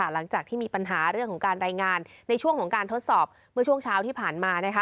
หลังจากที่มีปัญหาเรื่องของการรายงานในช่วงของการทดสอบเมื่อช่วงเช้าที่ผ่านมา